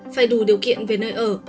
phải đủ điều kiện về nơi ở